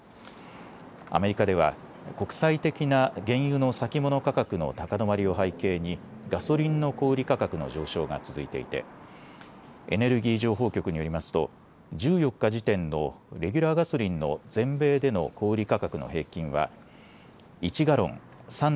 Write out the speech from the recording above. アメリカでは国際的な原油の先物価格の高止まりを背景にガソリンの小売価格の上昇が続いていてエネルギー情報局によりますと１４日時点のレギュラーガソリンの全米での小売価格の平均は１ガロン３．７８